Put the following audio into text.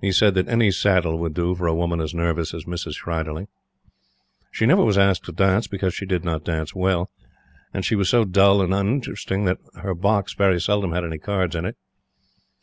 He said that any saddle would do for a woman as nervous as Mrs. Schreiderling. She never was asked to dance, because she did not dance well; and she was so dull and uninteresting, that her box very seldom had any cards in it.